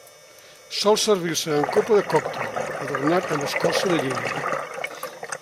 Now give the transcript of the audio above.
Sol servir-se en copa de còctel, adornat amb escorça de llima.